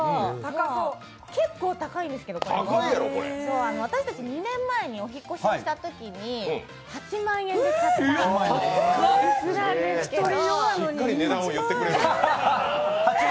結構高いんですけど、私たち２年前にお引っ越ししたときに８万円で買った椅子なんですけど。